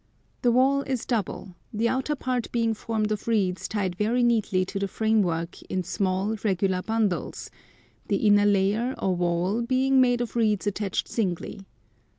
The wall is double; the outer part being formed of reeds tied very neatly to the framework in small, regular bundles, the inner layer or wall being made of reeds attached singly.